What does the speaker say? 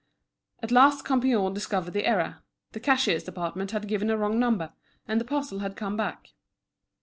At last Campion discovered the error; the cashier's department had given a wrong number, and the parcel had come back.